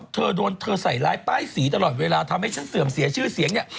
เธอโดนเธอใส่ร้ายป้ายสีตลอดเวลาทำให้ฉันเสื่อมเสียชื่อเสียงเนี่ย